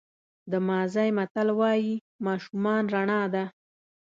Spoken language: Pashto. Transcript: د مازی متل وایي ماشومان رڼا ده.